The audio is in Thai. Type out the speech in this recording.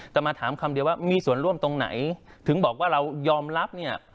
แต่มาถามคำเดียวว่ามีส่วนร่วมตรงไหนถึงบอกว่าเรายอมรับเนี่ย